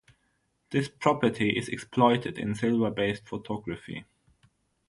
This property is exploited in silver-based photography.